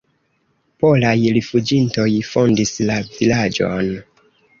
Polaj rifuĝintoj fondis la vilaĝon.